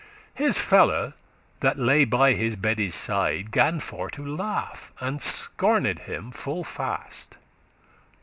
His fellow, that lay by his bedde's side, Gan for to laugh, and scorned him full fast.